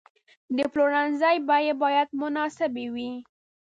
د پلورنځي بیې باید مناسبې وي.